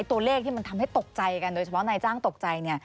ตัวเลขที่มันทำให้ตกใจกันโดยเฉพาะนายจ้างตกใจ